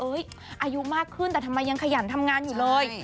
อายุมากขึ้นแต่ทำไมยังขยันทำงานอยู่เลย